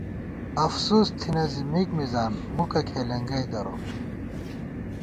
افُسوس تھنہ زِی مِک مِزان ، مُکہ کھېلېنگَئ دروک